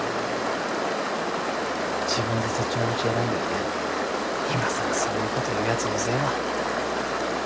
自分でそっちの道選んどいて今更そういうごど言うやつうぜえわ。